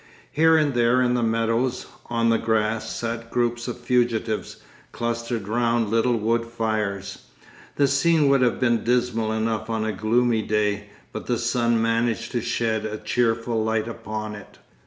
Here and there in the meadows, on the grass, sat groups of fugitives, clustered around little wood fires. The scene would have been dismal enough on a gloomy day, but the sun managed to shed a cheerful light upon it.